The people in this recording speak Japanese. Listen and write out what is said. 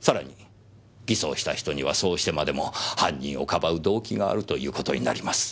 さらに偽装した人にはそうしてまでも犯人をかばう動機があるという事になります。